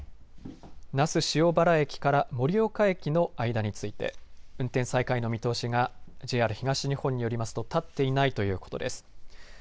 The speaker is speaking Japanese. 那須塩原駅から盛岡駅の間について運転再開の見通しがＪＲ東日本によりますと立っていないということです。